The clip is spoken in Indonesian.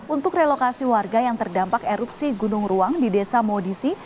untuk relokasi warga yang terdampak erupsi gunung ruang di desa modisi